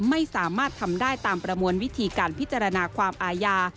ไม่สามารถทำได้ตามประมวลวิธีการพิจารณาความอาญา